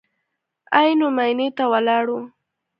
عینو مېنې ته ولاړو.